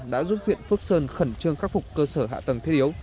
đã giúp huyện phước sơn khẩn trương khắc phục cơ sở hạ tầng thiết yếu